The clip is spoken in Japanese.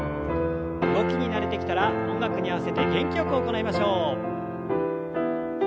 動きに慣れてきたら音楽に合わせて元気よく行いましょう。